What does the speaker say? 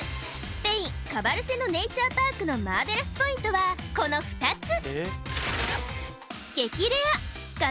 スペインカバルセノ・ネイチャー・パークのマーベラスポイントはこの２つ！